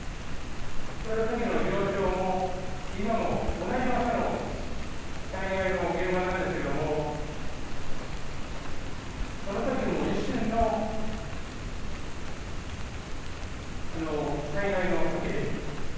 その時の状況、今も同じ場所の災害の現場なんですけどその時も一瞬の災害の時でした。